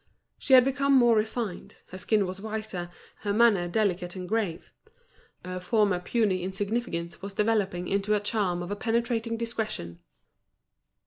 She had become more refined, her skin was whiter, her manner delicate and grave. Her former puny insignificance was developing into a charm of a penetrating discretion.